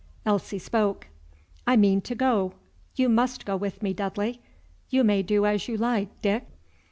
Elsie spoke. "I mean to go. You must go with me, Dudley. You may do as you like, Dick."